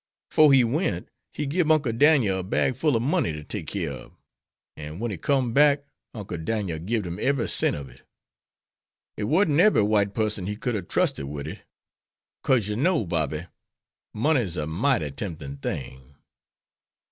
'Fore he went he gib Uncle Dan'el a bag full ob money ter take kere ob. 'An wen he com'd back Uncle Dan'el gibed him ebery cent ob it. It warn't ebery white pusson he could hab trusted wid it. 'Cause yer know, Bobby, money's a mighty temptin' thing.